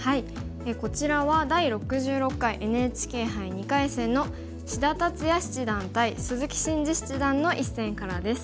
こちらは第６６回ＮＨＫ杯２回戦の志田達哉七段対鈴木伸二七段の一戦からです。